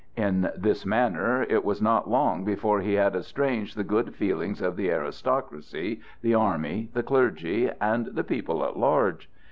In this manner it was not long before he had estranged the good feelings of the aristocracy, the army, the clergy and the people at large.